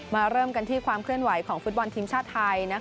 เริ่มกันที่ความเคลื่อนไหวของฟุตบอลทีมชาติไทย